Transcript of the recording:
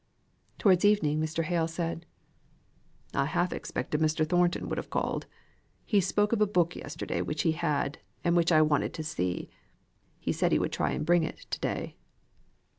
Towards evening Mr. Hale said: "I half expected Mr. Thornton would have called. He spoke of a book yesterday which he had, and which I wanted to see. He said he would try and bring it to day."